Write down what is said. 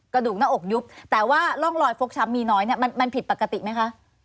กระดูกหน้าอกยุบแต่ว่าร่องรอยฟกช้ำมีน้อยเนี่ยมันผิดปกติไหมคะ